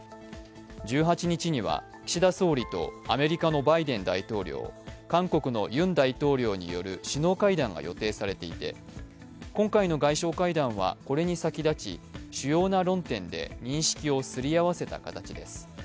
１８日には岸田総理とアメリカのバイデン大統領、韓国のユン大統領により首脳会談が予定されていて、今回の外相会談はこれに先立ち主要な論点で認識をすり合わせた形です。